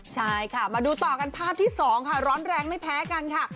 ใช่ค่ะมาดูต่อกันภาพที่๒ค่ะร้อนแรงไม่แพ้กันค่ะ